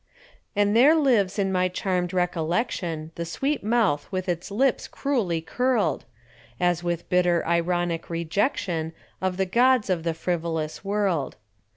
And there lives in my charmed recollection, The sweet mouth with its lips cruelly curled, As with bitter ironic rejection Of the gods of the frivolous world.